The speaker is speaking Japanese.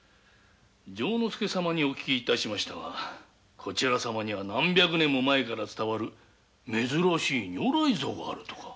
丈之助様にお聞きしましたがこちら様には何百年も前から伝わる如来像があるとか。